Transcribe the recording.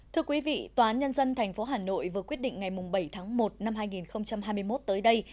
thưa quý vị tòa án nhân dân tp hà nội vừa quyết định ngày bảy tháng một năm hai nghìn hai mươi một tới đây